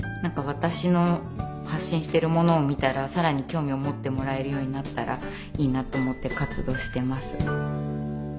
私の発信しているものを見たら更に興味を持ってもらえるようになったらいいなと思って活動してます。